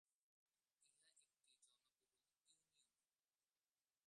ইহা একটি জনবহুল ইউনিয়ন।